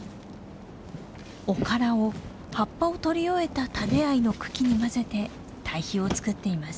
おからを葉っぱをとり終えたタデアイの茎にまぜて堆肥を作っています。